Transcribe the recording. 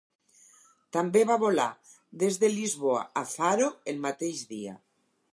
També va volar des de Lisboa a Faro el mateix dia.